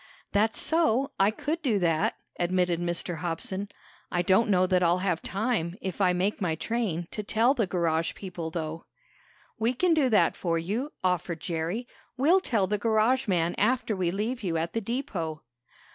"That's so, I could do that," admitted Mr. Hobson. "I don't know that I'll have time, if I make my train, to tell the garage people, though." "We can do that for you," offered Jerry. "We'll tell the garage man after we leave you at the depot."